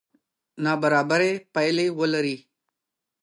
نابرابرې پایلې ولري.